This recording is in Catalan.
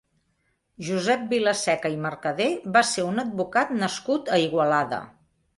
Josep Vilaseca i Mercader va ser un advocat nascut a Igualada.